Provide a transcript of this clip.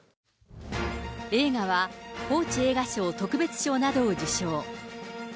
映画は、報知映画賞特別賞などを受賞。